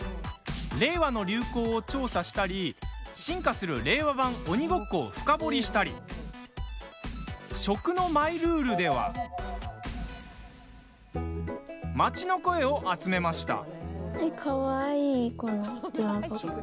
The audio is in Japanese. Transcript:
令和の流行を調査したり進化する令和版・鬼ごっこを深掘りしたり食のマイルールでは街の声を集めました。